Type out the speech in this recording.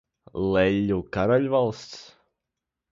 Leļļu karaļvalsts?